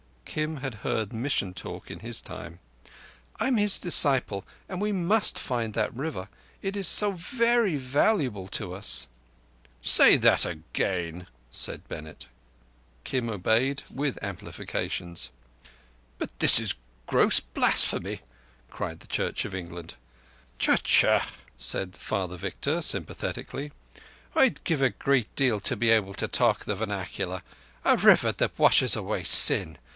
(Kim had heard mission talk in his time.) "I am his disciple, and we must find that River. It is so verree valuable to us." "Say that again," said Bennett. Kim obeyed, with amplifications. "But this is gross blasphemy!" cried the Church of England. "Tck! Tck!" said Father Victor sympathetically. "I'd give a good deal to be able to talk the vernacular. A river that washes away sin!